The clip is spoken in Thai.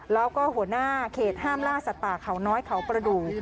แล้วก็หัวหน้าเขตห้ามล่าสัตว์ป่าเขาน้อยเขาประดูก